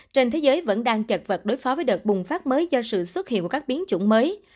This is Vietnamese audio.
trên thế giới vẫn đang trật vật đối phó với đợt bùng phát mới do sự xuất hiện của các biến chủng mới